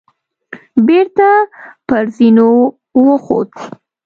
بېرته پر زينو وخوت.